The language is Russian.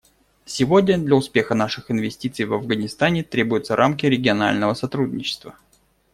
Сегодня для успеха наших инвестиций в Афганистане требуются рамки регионального сотрудничества.